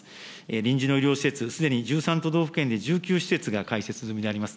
臨時の医療施設、すでに１３都道府県で１９施設が開設済みであります。